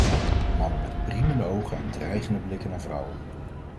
Mannen met priemende ogen en dreigende blikken naar vrouwen.